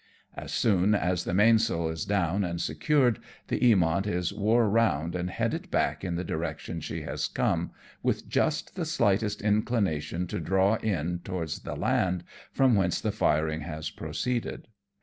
'' As soon as the mainsail is down and secured, the Eamont is wore round and headed back in the direction she has come, with just the slightest inclination to draw in towards the land, from whence the firing has proceeded.